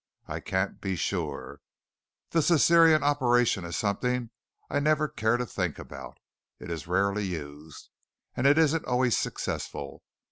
I can't be sure. The Cæsarian operation is something I never care to think about. It is rarely used, and it isn't always successful.